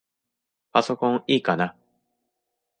パソコンいいかな？